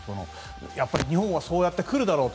やっぱり日本はそうやってくるだろうと。